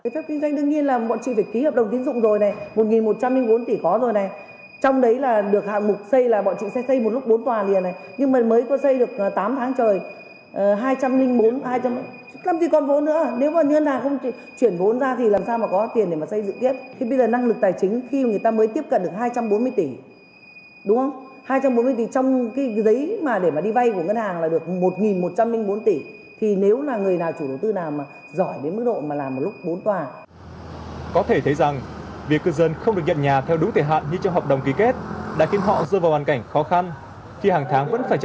thế pháp kinh doanh đương nhiên là bọn chị phải ký hợp đồng tiến dụng rồi này